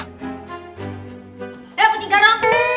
eh bunyi garo